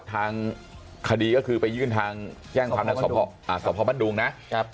ทางคดีก็คือไปยื่นทางเจ้าสมพสมพบรรดดูงนะ